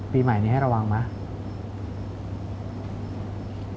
ปีใหม่นี้ให้ระวังไหม